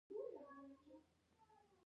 خو ما يو زړور او د لوړ همت خاوند وليد.